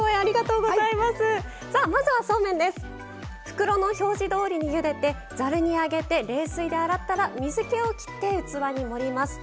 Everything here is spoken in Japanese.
袋の表示どおりにゆでてざるに上げて冷水で洗ったら水けをきって器に盛ります。